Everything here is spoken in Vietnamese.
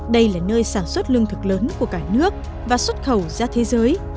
đây là nơi sản xuất lương thực lớn của cả nước và xuất khẩu ra thế giới